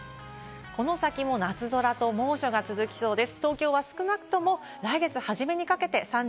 この先も夏空と猛暑が続きそうです。